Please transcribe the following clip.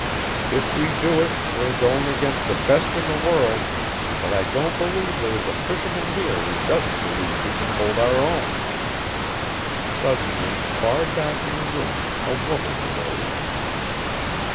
If we do it we're going against the best in the world, but I don't believe there is a fisherman here who doesn't believe we can hold our own." Suddenly far back in the room a woman arose.